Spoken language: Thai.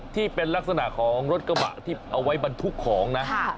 ที่เป็นลักษณะของรถกระบะที่เอาไว้บรรทุกของนะ